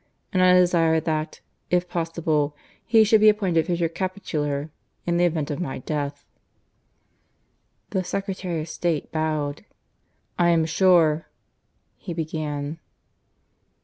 And I desire that, if possible, he should be appointed Vicar Capitular in the event of my death." The Secretary of State bowed. "I am sure " he began.